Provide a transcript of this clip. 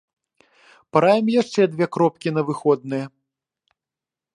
Параім яшчэ дзве кропкі на выходныя.